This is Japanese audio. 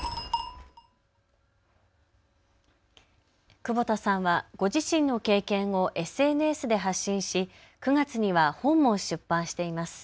久保田さんはご自身の経験をＳＮＳで発信し、９月には本も出版しています。